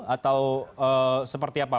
atau seperti apa